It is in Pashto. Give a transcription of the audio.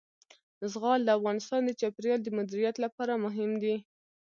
زغال د افغانستان د چاپیریال د مدیریت لپاره مهم دي.